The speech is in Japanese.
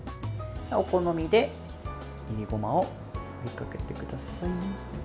お好みで、いりごまを振りかけてください。